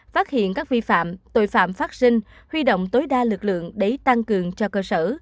phát hiện các vi phạm tội phạm phát sinh huy động tối đa lực lượng để tăng cường cho cơ sở